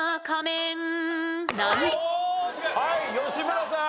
はい吉村さん。